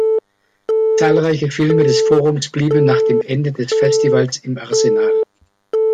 Zahlreiche Filme des Forums blieben nach dem Ende des Festivals im Arsenal.